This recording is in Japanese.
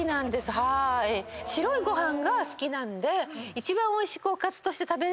白いご飯が好きなんで。